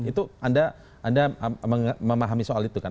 itu anda memahami soal itu kan